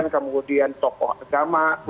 kemudian tokoh agama